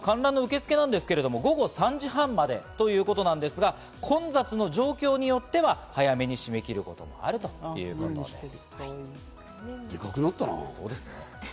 コロナ対策が緩和されるとい観覧の受け付けは午後３時半までということですが、混雑の状況によっては早めに締め切ることもあるということです。